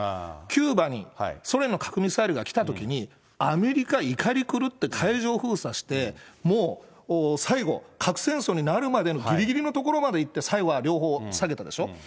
キューバに、ソ連の核ミサイルが来たときに、アメリカ、怒り狂って海上封鎖して、もう最後、核戦争になるまでのぎりぎりのところまでいって、最後は両方下げたでしょ。